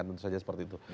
tentu saja seperti itu